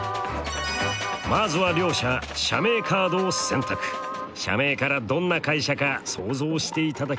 まずは両者社名からどんな会社か想像していただきます。